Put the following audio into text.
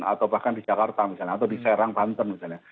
atau bahkan di jakarta misalnya atau di serang banten misalnya